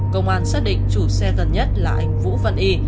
công an xác định chủ xe gần nhất là anh vũ văn y